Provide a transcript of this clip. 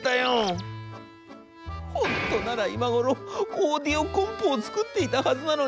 本当なら今頃オーディオコンポを作っていたはずなのに。